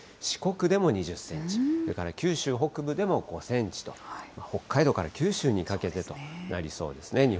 四国でも２０センチ、それから九州北部でも５センチと、北海道から九州にかけてとなりそうですね。